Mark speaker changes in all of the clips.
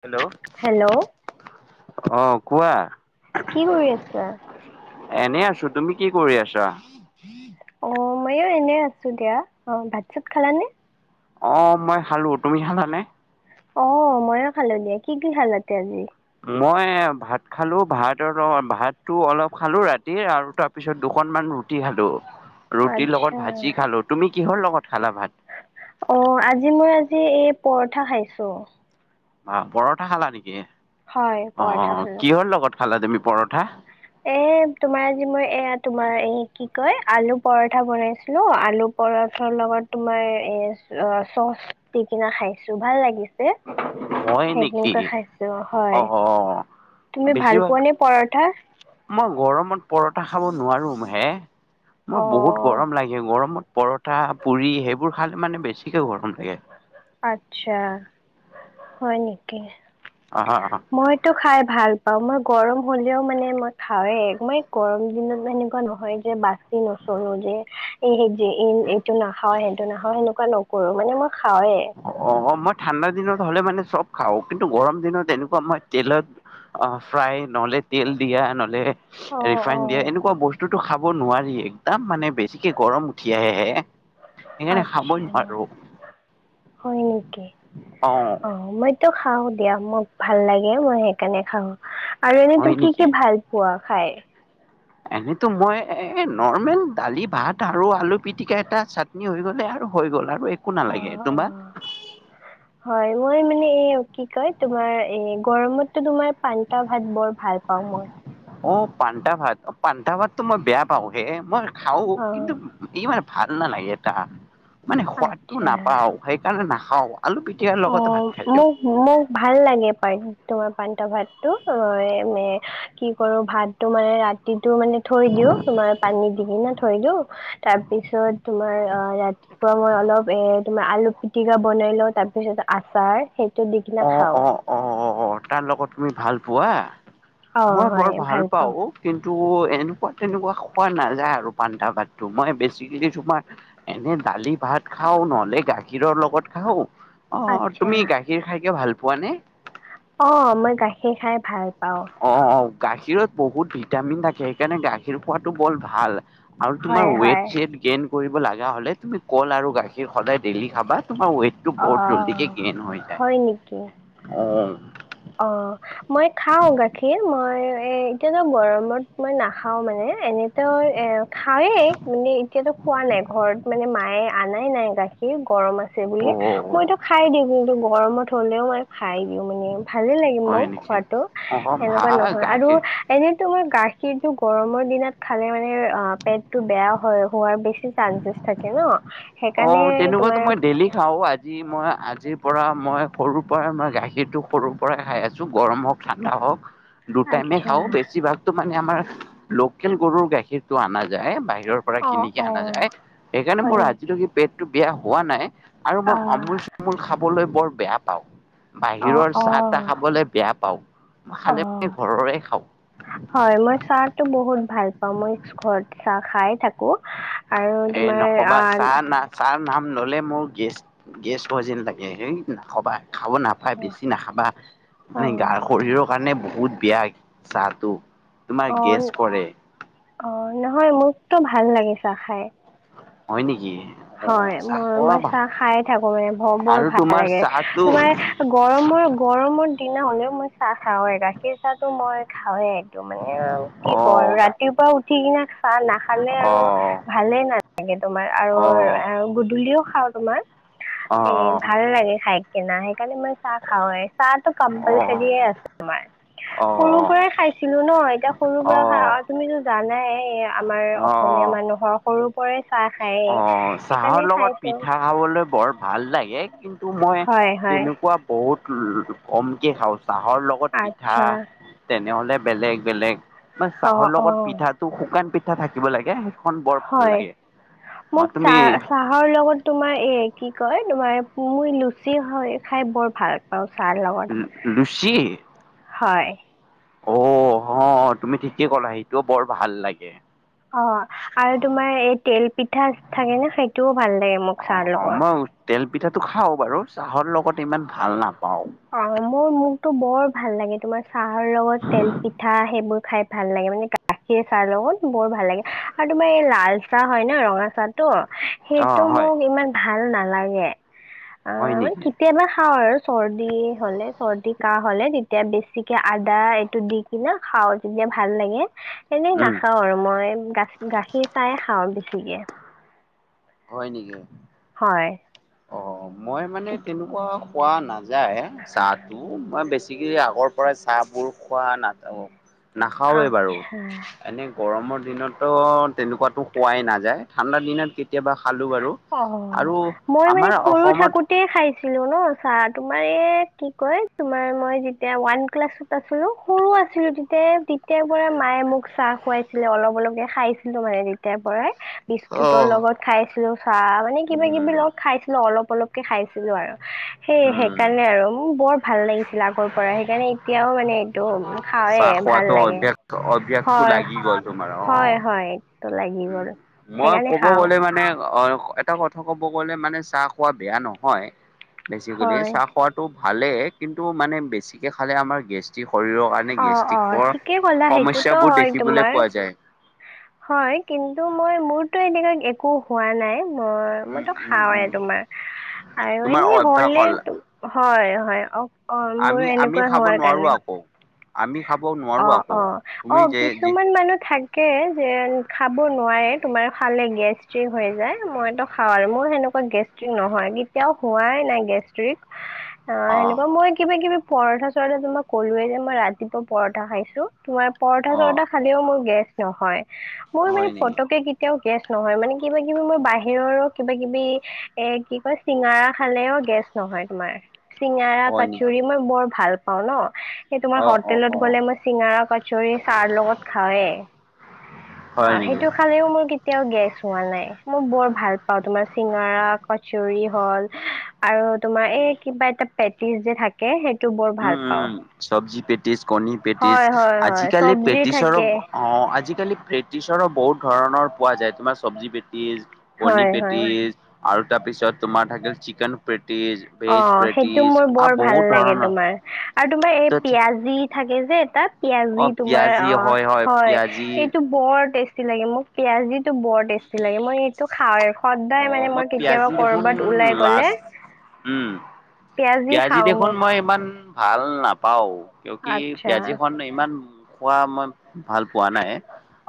Speaker 1: Hello
Speaker 2: hello
Speaker 1: অ কোৱা
Speaker 2: কি কৰি আছা?
Speaker 1: এনেই আছো তুমি কি কৰি আছা
Speaker 2: অ ময়ো এনে আছো দিয়া অ ভাত চাত খালানে
Speaker 1: অ মই খালো তুমি খালানে
Speaker 2: অ মইও খালো দিয়া কি কি খালা তে আজি
Speaker 1: মই ভাত খালোঁ ভাতৰ ভাতটো অলপ খালোঁ ৰাতিৰ আৰু তাৰপিছত দুখনমান ৰু ৰুটি খালো ৰুটিৰ লগত
Speaker 2: আচ্ছা।
Speaker 1: ভাজি খালো তুমি কিহৰ লগত খালা ভাত
Speaker 2: অ আজি মই আজি এই পৰঠা খাইছো
Speaker 1: অহ পৰঠা খালা নিকি
Speaker 2: হয়
Speaker 1: অ
Speaker 2: পৰঠা খালো।
Speaker 1: কিহৰ লগত খালা তুমি পৰঠা
Speaker 2: এ তোমাৰ আজি মই এয়া তোমাৰ এই কি কয় আলু পৰঠা বনাইছিলো আলু পৰঠাৰ লগত তোমাৰ এ অ চচ দি কিনে খাইছো ভাল লাগিছ ছে
Speaker 1: হয়
Speaker 2: সেই
Speaker 1: নেকি
Speaker 2: তেনেকুৱা খাইছো
Speaker 1: অ
Speaker 2: হয় তুমি ভাল
Speaker 1: বেছিভাগ
Speaker 2: পোৱা নে পৰাঠা
Speaker 1: মই গৰমত পৰঠা খাব নোৱাৰো হে
Speaker 2: অ
Speaker 1: মোৰ বহুত গৰম লাগে গৰমত, পৰঠা পুৰি সেইবোৰ খালে মানে বেছিকে গৰম লাগে।
Speaker 2: আচ্ছা হয় নিকি?
Speaker 1: অ
Speaker 2: মইতো খাই ভাল পাওঁ মই গৰম হ'লেও মানে মই খাওঁৱেই এক মই গৰম দিনত সেনেকুৱা নহয় যে বা বাচি নচোলো যে এ যে ই এইটো নাখাও সেইটো নাখাওঁ সেনেকুৱা নকৰো মানে মই। খাওঁৱে
Speaker 1: অ', মই ঠাণ্ডা দিনত হ'লে মানে চব খাওঁ কিন্তু গৰম দিনত এনেকুৱা মই তেলত অ ফ্ৰাই নহলে তেল দিয়া নহলে
Speaker 2: অ অ
Speaker 1: ৰিফাইন দিয়া এনেকুৱা বস্তুত টো খাব নোৱাৰি একদম মানে বেছিকে গৰম উঠি আহে হে, হে কানে খাবই
Speaker 2: আচ্ছা
Speaker 1: নোৱাৰো।
Speaker 2: হয় নিকি অ মই তো খাও দিয়া মোক ভাল লাগে মই সেইকাণে খাওঁ আৰু এনেই তো
Speaker 1: হয়
Speaker 2: কি কি
Speaker 1: নেকি?
Speaker 2: ভাল পোৱা? খায়?
Speaker 1: এনেতো মই এ নৰ্মেল দালি ভাত আৰু আলু পিটিকা এটা চাটনি হৈ গ'লে আৰু হৈ গ'ল আৰু একো
Speaker 2: অ
Speaker 1: নালাগে
Speaker 2: অ
Speaker 1: তোমাক
Speaker 2: হয় মই মানে এ কি কয় তোমাৰ এ গৰমতো তোমাৰ পান্তা ভাত বৰ ভাল পাওঁ মই
Speaker 1: অ পান্তা ভাত অ পান্তা ভাততো মই বেয়া পাওঁ হে মই খাও
Speaker 2: অ
Speaker 1: কিন্তু ইমান ভাল নালাগে এটা মানে সোৱাদটো
Speaker 2: আচ্ছা
Speaker 1: নাপাও সেইকাৰণে নাখাও। আলু পিটিকাৰ
Speaker 2: অ
Speaker 1: লগতে ভাত খাই দিওঁ।
Speaker 2: মোক মোক ভাল লাগে পাৰি তোমাৰ পান্তা ভাতটো অ এনে কি কৰো ভাত টো মানে ৰাতিত টো মানে থৈ দিওঁ তোমাৰ পানীত দি কিনে থৈ দিওঁ তাৰ পিছত তোমাৰ অ ৰাতি মই অলপ এ তোমাৰ আলু পিটিকা বনাই লওঁ তাৰপিছত আচাৰ দি কিনে
Speaker 1: অ
Speaker 2: খাওঁ
Speaker 1: অ অ তাৰ লগত তুমি ভাল পোৱা?
Speaker 2: অ
Speaker 1: মই
Speaker 2: হয়
Speaker 1: বৰ ভাল
Speaker 2: পাওঁ
Speaker 1: পাও কিন্তু এনেকুৱা তেনেকুৱা খোৱা নাযায় আৰু পান্তা ভাততো মই বেছিকেলি তোমাৰ এনে দালি ভাত খাও নহলে গাখীৰৰ লগত খাও অ তুমি গাখীৰ খাই ভাল পোৱা নে?
Speaker 2: পাও মই গাখীৰ খাই ভাল পাওঁ
Speaker 1: অ গাখীৰত বহুত ভিটামিন থাকে সেইকাণে গাখীৰ খোৱটো বৰ ভাল, আৰু তোমাৰ
Speaker 2: হয় হয়
Speaker 1: ওৱেট চোৱেট গেইন কৰিব লাগা হলে তুমি কল আৰু গাখীৰ সদায় ডেইলি খাবা। তোমাৰ ওৱেট টো
Speaker 2: অ
Speaker 1: বহুত জল্দিকে গেইন হৈ যায়
Speaker 2: হয় নেকি
Speaker 1: অ,
Speaker 2: অ মই খাও গাখীৰ মই এ এতিয়াতো গৰমত মই নাখাও মানে, এনেতো এ খাওয়েই মানে এতিয়াতো খোৱা নাই ঘৰত মানে মায়ে আনায়ে নাই গাখীৰ গৰম আছে বুলি।
Speaker 1: অ', অ',
Speaker 2: মইতো খাই দিওঁ কিন্তু গৰমত হলেও মই খাই দিওঁ মানে ভালে লাগে
Speaker 1: হয়
Speaker 2: মোক
Speaker 1: নেকি?
Speaker 2: খোৱাটো,
Speaker 1: অ',
Speaker 2: সেনেকুৱা
Speaker 1: ভাল
Speaker 2: নহয়। আৰু
Speaker 1: গাখীৰ
Speaker 2: এনে তোমাৰ গাখীৰতটো গৰমৰ দিনত খালে মানে অ পেট টো বেয়া হয় হোৱাৰ বেছি চানছেছ থাকে ন।
Speaker 1: অ
Speaker 2: সেইকাৰণে
Speaker 1: তেনেকুৱাতো
Speaker 2: তোমাৰ
Speaker 1: মই ডেইেলি খাও। আজি মই আজি পৰা মই সৰুৰ পৰাই মই গাখীৰটো সৰুৰ পৰাই খাই আছোঁ, গৰম হওক ঠাণ্ডা হওক। দুটাইমে
Speaker 2: আচ্ছা
Speaker 1: খাওঁ বেছিভাগতো মানে আমাৰ লোকেল গৰুৰ গাখীৰটো অনা যায়। বা হিৰৰ পৰা
Speaker 2: অ
Speaker 1: কিনিকে
Speaker 2: অ
Speaker 1: আনা যায়। সেইকাৰণে
Speaker 2: হয়
Speaker 1: মোৰ
Speaker 2: নেকি
Speaker 1: আজিলৈকে পেটটো বেয়া হোৱা নাই। আৰু মই
Speaker 2: অ
Speaker 1: অমূল চামূল খাবলৈ বৰ বেয়া পাওঁ।
Speaker 2: অ',
Speaker 1: বাহিৰৰ চাহ তাহ
Speaker 2: অ',
Speaker 1: খাবলে বেয়া পাও।
Speaker 2: অ'।
Speaker 1: খালে মানে ঘৰৰে খাওঁ।
Speaker 2: হয় মই চাহতো বহুত ভাল পাওঁ মই ঘৰত চাহ খাই থাকো। আৰু
Speaker 1: এ
Speaker 2: তোমাৰ
Speaker 1: নকবা চাহ
Speaker 2: আহ
Speaker 1: না চাহ নাম ললে মোৰ গেষ্ট গেছ হোৱা যেন লাগে। হেই নাখাবাই খাব নাপায়, বেছি নাখাবা। মানে
Speaker 2: অ',
Speaker 1: গা-শৰীৰৰ কাৰণে বহুত বেয়া চাহটো, তোমাৰ গেছ
Speaker 2: অ',
Speaker 1: কৰে।
Speaker 2: অ নহয় মোকতো ভাল লাগে চাহ খাই।
Speaker 1: হয় নিকি?
Speaker 2: হয়, মই মই চাহ খায়ে থাকো। মানে বৰ
Speaker 1: আৰু
Speaker 2: ভাল
Speaker 1: তোমাৰ
Speaker 2: লাগে।
Speaker 1: চাহটো
Speaker 2: তোমাৰ গৰমত গৰমৰ দিনা হলেও মই চাহ খাওঁৱে গাখীৰ চাহটো মই খাওঁৱে। টো মানে কি
Speaker 1: অ
Speaker 2: কওঁ আৰু ৰাতিপুৱা উঠি কিনা চাহ নাখালে
Speaker 1: অ অ
Speaker 2: আৰু ভালে নালা তোমাৰ আৰু গধূলিও খাওঁ তোমাৰ,
Speaker 1: অ অ
Speaker 2: সেই ভাল লাগে খাই কিনা সেইকাৰণে মই চাহ খাওঁৱেই চাহটো কম্পালচাৰিয়ে
Speaker 1: অ
Speaker 2: আছে তোমাৰ। সৰু পৰাই খাইছিলো ন! অ এতিয়া সৰু পৰা খা
Speaker 1: অ
Speaker 2: তুমিতো জানাই আমাৰ
Speaker 1: অ
Speaker 2: অসমীয়া
Speaker 1: অ
Speaker 2: মানুহৰ সৰু পৰাই চাহ খায়ে।
Speaker 1: অ', চাহৰ লগত পিঠা খাবলৈ বৰ ভাল লাগে কিন্তু মই
Speaker 2: হয় হয়
Speaker 1: তেনেকুৱা বহুত কমকে খাওঁ চাহৰ লগত পিঠা
Speaker 2: আচ্ছা
Speaker 1: তেনেহলে বেলেগ বেলেগ। না
Speaker 2: অঁ
Speaker 1: চাহৰ লগত
Speaker 2: অঁ
Speaker 1: পিঠাটো শুকান পিঠা থাকিব লাগে সেইখন বৰ ভাল
Speaker 2: হয়
Speaker 1: লাগে। অ',
Speaker 2: মোক
Speaker 1: তুমি
Speaker 2: চাহ চাহৰ লগত তোমাৰ এ কি কয়? তোমাৰ পুই লুচি হয় খাই বৰ ভাল পাওঁ। চাহৰ লগত
Speaker 1: লুচি?
Speaker 2: হয়।
Speaker 1: অ, হ, তুমি ঠিকে কলা সেইটোও বৰ ভাল লাগে।
Speaker 2: অ, আৰু তোমাৰ এই তেল পিঠা থাকে ন, সেইটোও ভাল লাগে মোক চাহৰ
Speaker 1: অ',
Speaker 2: লগত।
Speaker 1: মই তেল পিঠাটো খাওঁ বাৰু, চাহৰ লগত ইমান ভাল নাপাওঁ।
Speaker 2: অ মোৰ মোকতো বৰ ভাল লাগে তোমাৰ চাহৰ লগত তেল পিঠা, সেইবোৰ খাই ভাল লাগে মানে গাখীৰ চাহৰ লগত বৰ ভাল লাগে। আৰু তোমাৰ এই লাল চাহ হয় ন, ৰঙা চাহটো সেইটো
Speaker 1: অ', হয়,
Speaker 2: মোক ইমান ভাল নালাগে। অ
Speaker 1: হয়
Speaker 2: মানে
Speaker 1: নেকি
Speaker 2: কেতিয়াবা খাওঁ আৰু চৰ্দি হ'লে চৰ্দি কাহ হ'লে তেতিয়া বেছিকে আদা এইটো দি কিনে খাওঁ, তেতিয়া ভাল লাগে। এনেই
Speaker 1: উম,
Speaker 2: নাখাওঁ আৰু মই। গা গাখীৰ চায়ে খাওঁ বেছিকে।
Speaker 1: হয় নেকি?
Speaker 2: হয়
Speaker 1: অ', মই মানে তেনেকুৱা খোৱা নাযায় চাহ টো। মই বেছি আগৰ পৰাই চাহবোৰ খোৱা নাটক নাখাওৱে বাৰু।
Speaker 2: আচ্ছা
Speaker 1: এনে গৰমত দিনতো তেনেকুৱাতো খোৱাই নাযায়। ঠাণ্ডা দিনত কেতিয়াবা খালোঁ বাৰু
Speaker 2: অ,
Speaker 1: আৰু
Speaker 2: মই মানে
Speaker 1: আমাৰ
Speaker 2: সৰু
Speaker 1: অসমত
Speaker 2: থাকোতে খাইছি লো ন চাহ। তোমাৰ এই কি কয় তোমাৰ মই যেতিয়া ওৱান ক্লাছত আছিলো, সৰু আছিলো তেতিয়া তেতিয়াৰ পৰা মায়ে মোক চাহ খুৱাইছিলে অলপ অলপকে খাইছিলো মানে তেতিয়াৰ পৰাই বিস্কুতৰ
Speaker 1: অ',
Speaker 2: লগত খাইছিলো চাহ। মানে কিবা কিবি
Speaker 1: উম,
Speaker 2: লগত খাইছিলো অলপ অলপ অলপ কে খাইছিলো আৰু সেই
Speaker 1: উম,
Speaker 2: সেইকাৰণে আৰু মোক বৰ ভাল লাগিছিল আগৰ পৰা সেইকাৰণে এতিয়াও মানে এইটো খাওঁৱে
Speaker 1: চাহ
Speaker 2: ভাল
Speaker 1: খোৱাতো
Speaker 2: লাগে
Speaker 1: অভ্যসটো
Speaker 2: হয়
Speaker 1: লাগি গ'ল তোমাৰ অ
Speaker 2: হয় হয় এইটো লাগি
Speaker 1: উ
Speaker 2: গ'ল
Speaker 1: মই
Speaker 2: সেইকাৰণে
Speaker 1: ক'ব
Speaker 2: খাওঁ
Speaker 1: গলে মানে অ এটা কথা ক'ব গ'লে মানে চাহ খোৱা বেয়া নহয় বেছিকেলি
Speaker 2: হয়
Speaker 1: চাহ খোৱাতো ভালে কিন্তু মানে বেছিকে খালে আমাৰ গেষ্টিক
Speaker 2: অ অ ঠিকেই ক'লা সেইটোতো
Speaker 1: সমস্যাবোৰ
Speaker 2: হয়
Speaker 1: দেখিবলৈ
Speaker 2: তোমাৰ
Speaker 1: পোৱা যায়।
Speaker 2: হয় কিন্তু মই মোৰতো এনেকুৱা একো হোৱা নাই অ
Speaker 1: উম,
Speaker 2: মইতো
Speaker 1: উম,
Speaker 2: খাওঁয়ে
Speaker 1: উম,
Speaker 2: তোমাৰ আৰু
Speaker 1: তোমাৰ
Speaker 2: এনেই
Speaker 1: অভ্যাস
Speaker 2: হলে
Speaker 1: হ'ল
Speaker 2: হয় হয় অ অ মোৰ
Speaker 1: আমি আমি
Speaker 2: এনেকুৱা
Speaker 1: খাব
Speaker 2: হোৱাৰ
Speaker 1: নোৱাৰো
Speaker 2: কাৰণে
Speaker 1: আকৌ। আমি খাব নোৱাৰো
Speaker 2: অ
Speaker 1: আকৌ
Speaker 2: অ অ
Speaker 1: তুমি যে যি
Speaker 2: কিছুমান মানুহ থাকে যে খাব নোৱাৰে তোমাৰ খালে গেষ্টিক হৈ যায় মইতো খাও আৰু মোৰ সেনেকুৱা গেষ্ট্ৰিক নহয় কেতিয়াও হোৱাই নাই গেষ্ট্ৰিক অ সেনেকুৱা মই কিবা কিবি পৰঠা চৰঠা তোমাক কলোয়ে যে মই ৰাতিপুৱা পৰঠা খাইছো তোমাৰ পৰঠা
Speaker 1: অ',
Speaker 2: চৰঠা খালেও মোৰ গেছ নহয় মোৰ মানে
Speaker 1: হয় নেকি
Speaker 2: পতকে এতিয়াও গেছ নহয় মানে কিবা কিবি মই বাহিৰৰো কিবা কিবি এ কি কয় চিঙৰা খালেও গেছ নহয় তোমাৰ চিঙৰা
Speaker 1: হয় নেকি
Speaker 2: কচৰী মই বৰ ভাল পাওঁ ন সেই তোমাৰ
Speaker 1: অ',
Speaker 2: স
Speaker 1: অ',
Speaker 2: ক'ত
Speaker 1: অ',
Speaker 2: গ'লে মই চিঙৰা, কচৰি চাহৰ লগত খাওঁৱে।
Speaker 1: হয়
Speaker 2: আৰ
Speaker 1: নেকি?
Speaker 2: সেইটো খালেও মোৰ কেতিয়াও গেছ হোৱা নাই মোৰ বৰ ভাল পাও তোমাৰ চিঙৰা, কচৰিয়ে হল আহ্ আৰু তোমাৰ এ কিবা এটা পেটিছ যে থাকে সেই
Speaker 1: উম উম উ চব্জি পেটিছ। কণী পেটিছ
Speaker 2: হয় হয় হয়
Speaker 1: আজিকালি
Speaker 2: চব্জি
Speaker 1: পেটিছৰ
Speaker 2: থাকে
Speaker 1: অ আজিকালি প্ৰেটিছৰো বহুত ধৰণৰ পোৱা যায় তোমাৰ চব্জি পেটি টিছ কণী
Speaker 2: হয় হয়
Speaker 1: পেটিছ আৰু তাৰপিছত তোমাৰ থাকিল চিকেন পেট পেটিছ
Speaker 2: অ
Speaker 1: ভেজ
Speaker 2: সেইটো
Speaker 1: প্ৰেটিছ
Speaker 2: মোৰ বৰ
Speaker 1: আৰু
Speaker 2: ভাল
Speaker 1: বহুত
Speaker 2: লাগে
Speaker 1: ধৰণৰ
Speaker 2: তোমাৰ আৰু তোমাৰ এই পিয়াজ দি থাকে যে এটাত
Speaker 1: অ
Speaker 2: পিয়াজি তোমাৰ
Speaker 1: পিয়াজি
Speaker 2: অ হয়
Speaker 1: পিয়াজি
Speaker 2: এইটো বৰ টেষ্ট টেষ্টি লাগে মোক পিয়াজিটো বৰ টেষ্টি লাগে মই এইটো খাওঁৱে।
Speaker 1: অ
Speaker 2: সদায় মানে মই কেতিয়াবা
Speaker 1: পিয়াজি দেখোন
Speaker 2: কৰবাত ওলাই গলে
Speaker 1: লাষ্ট উম, পিয়াজি
Speaker 2: খাওঁ
Speaker 1: দেখোন
Speaker 2: মোক
Speaker 1: মই ইমান ভাল নাপাও কিউ কি
Speaker 2: আচ্ছা
Speaker 1: পিয়াজিখন ইমান খোৱা মই ম ভাল পোৱা নাই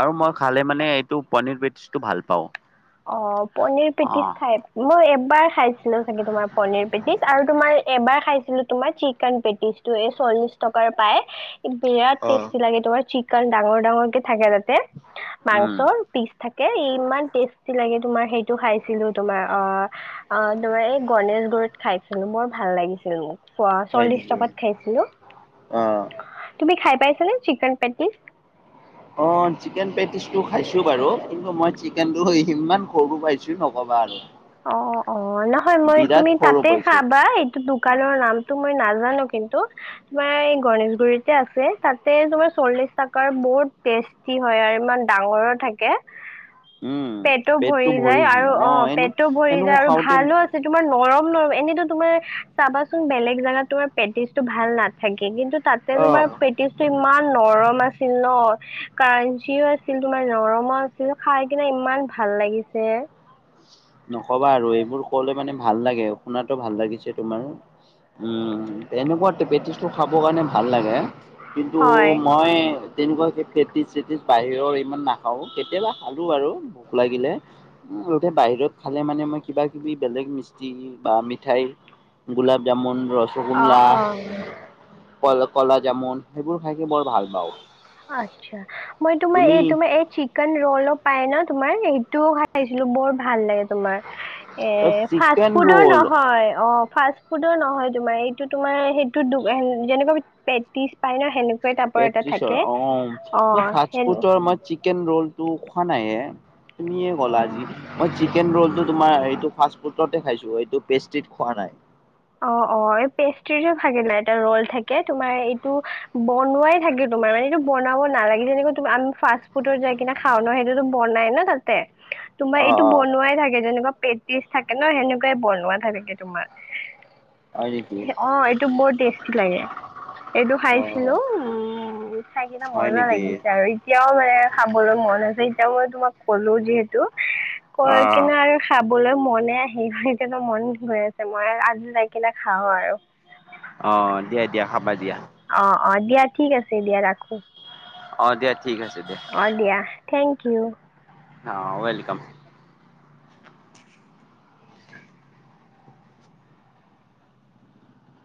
Speaker 1: আৰু মই খালে মানে এইটো পনীৰ পেটিছটো ভাল পাওঁ।
Speaker 2: অ পনিৰ
Speaker 1: অ
Speaker 2: পেটিচ খাই মই এব প্ৰায় খাইছিলো চাগে তোমাৰ পনীৰ পেটিছ আৰু তোমাৰ এবাৰ খাইছিলো তোমাৰ চিকেন পেটিছটো এই ছ চল্লিশ টকাৰে পায় ইহ্ বিৰাট
Speaker 1: অ
Speaker 2: টেষ্টি লাগে তোমাৰ চিকেন ডাঙৰ ডাঙৰ কে থাকে আৰু তাতে আহ্
Speaker 1: উম
Speaker 2: মাংসৰ পিচ থাকে কে ইমান টেষ্ট টেষ্টি লাগে তোমাৰ সেইটো খাইছিলো তোমাৰ অ অ অ তোমাৰ এই গণেশগুৰিত খাইছিলো বৰ ভাল ভাল লাগিছিলে নে নাই চোৱা
Speaker 1: হয়
Speaker 2: চল্লিশ
Speaker 1: নেকি
Speaker 2: টকাত খাইছিলো
Speaker 1: অ
Speaker 2: আহ তুমি খাই পাইছা নে চিকন পেটিছ
Speaker 1: অ চিকেন পেটিছটো খাইছো বাৰু কিন্তু মই চিকেনটো হিহি ইমান সৰু পাইছো নকবা আৰু
Speaker 2: অ অ, নহয় মই
Speaker 1: বিৰাট
Speaker 2: তুমি
Speaker 1: সৰু
Speaker 2: তাতে
Speaker 1: পাইছো
Speaker 2: খাবা এইটো দোকানৰ নাম সেইটো মই নাজানো কিন্তু তোমাৰ এই গণেশগুৰিতে আছে তাতে তোমাৰ চল্লিশ টাকাৰ বহু বহুত টেষ্টি হয় আৰু ইমান ডাঙৰো থাকে।
Speaker 1: উম
Speaker 2: পেটো
Speaker 1: পেটটো
Speaker 2: ভৰি যায়
Speaker 1: ভৰিছে
Speaker 2: আৰু অ
Speaker 1: এনে
Speaker 2: পেটো ভৰি
Speaker 1: এনে
Speaker 2: যায় আৰু
Speaker 1: খাওঁতে
Speaker 2: ভালো আছে তোমাৰ ন গৰম নৰম এনেতো তোমাৰ চাবাচোন বেলেগ জাগাত তোমাৰ পেটিছটো ভাল নাথাকে কিন্তু তাতে
Speaker 1: অ
Speaker 2: তোমাৰ পেটিছটো ইমান নৰম আছিল ন ক্ৰাঞ্চীও আছিল তোমাৰ নৰমো আছিল খাই কিনে ইমান ভাল লাগিছে।
Speaker 1: নকবা আৰু এইবোৰ কলে মানে ভাল লাগে শুনাতো ভাল লাগিছে তোমাৰ উম উ উ এনেকুৱাতে পেটিছটো খাব কাৰণে ভাল লাগে। কিন্তু
Speaker 2: হয়
Speaker 1: মইয়ে তেনেকুৱা সেই পেটিছ চেটিছ বাহিৰৰ ইমান নাখাও কেতিয়াবা খালো আৰু ভোক লাগিলে আৰু উঠে বাহিৰত খালে মানে মই কিবাকিবি বেলেগ মিষ্টি বা মিঠাই গোলাপ জামুন
Speaker 2: অ
Speaker 1: ৰসগোল্লা
Speaker 2: অ
Speaker 1: কল কলাজামুন সেইবোৰ খাইকিনি বৰ ভাল পাওঁ।
Speaker 2: ইচ্ছা, মই তোমাৰ
Speaker 1: তুমি
Speaker 2: এই তোমাৰ এই চিকেন ৰোল পায় ন তোমাৰ সেইটোও খাইছিলো বৰ ভাল লাগে তোমাৰ এ ফাষ্ট
Speaker 1: চিকেন
Speaker 2: ফুডৰ
Speaker 1: ৰোল
Speaker 2: নহয় অ ফাষ্ট ফুডৰ নহয় তোমাৰ এইটো তোমাৰ সেইটো দো যেনেকুৱা পেটিছ পায় ন সেনে সোয়া টাইপৰ এটা থাকে
Speaker 1: অম মই
Speaker 2: অ' হেল্ল'
Speaker 1: ফাষ্ট-ফুডৰ মই চিকেন ৰলটো খোৱা নাই এ তুমিয়ে গলা
Speaker 2: অ'।
Speaker 1: আজি মই চিক চিকেন ৰলটো তোমাৰ এইটো ফাষ্ট-ফুডতে খাইছো এইটো প্ৰেষ্টিত খোৱা নাই।
Speaker 2: অ অ এই প্ৰেষ্ট্ৰিটো থাকে না এটা ৰল থাকে তোমাৰ এইটো বনোৱাই থাকিব তোমাৰ মানে এইটো বনাব নালাগি যেনেকৈ আমি ফাষ্ট-ফুডৰ যাই কিনে খাও নহয় সেইটোতটো বনাই ন তাতে তোমাৰ এইটো
Speaker 1: অ', অ'
Speaker 2: বনোৱাই থাকে যেনেকুৱা পেটিক থাকে ন সেনেকুৱাই বনোৱা থাকে তোমাৰ
Speaker 1: হয় নেকি
Speaker 2: অ এইটো বৰ টেষ্টি লাগে এইটো খাইছিলো
Speaker 1: অ'
Speaker 2: উম উ খাই কিনে
Speaker 1: হয়
Speaker 2: কৰিব
Speaker 1: নেকি
Speaker 2: লাগিছে আৰু এতিয়াও মানে খাবলৈ মন আছে এতিয়াও মই তোমাক কলো যিহেতু কৈ
Speaker 1: অ'।
Speaker 2: কিনে আৰু খাপ বলে মনে নাই সেইকাৰণে মন গৈ আছে মই আজি যাইকিনে খাওঁ আৰু
Speaker 1: অ দিয়া দিয়া খাবা দিয়া।
Speaker 2: অ অ দিয়া ঠিক আছে দিয়া ৰাখো।
Speaker 1: অ দিয়া ঠিক আছে দিয়া
Speaker 2: অ দিয়া থিংক কিউ
Speaker 1: অ ৱেলকাম